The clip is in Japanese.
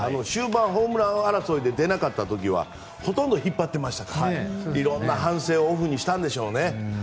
終盤、ホームラン王争いで出なかったときはほとんど引っ張っていましたからいろんな反省をオフにしたんでしょうね。